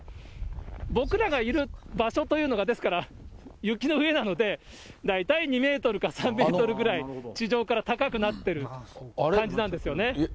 僕らがいる場所というのが、ですから、雪の上なので、大体２メートル化３メートルぐらい、地上から高くなってる感じなんですよね。